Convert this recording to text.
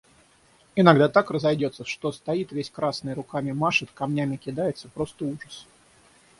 Иногда так разойдется, что стоит весь красный, руками машет, камнями кидается, просто ужас!